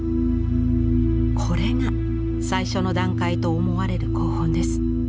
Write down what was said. これが最初の段階と思われる稿本です。